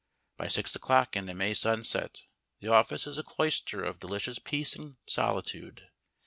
By six o'clock in a May sunset the office is a cloister of delicious peace and solitude.